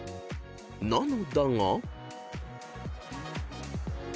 ［なのだが］